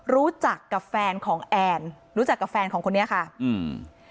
รู้จักกับแฟนของแอนรู้จักกับแฟนของคนนี้ค่ะอืม